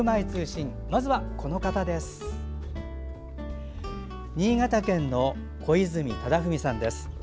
新潟県の小泉忠文さんです。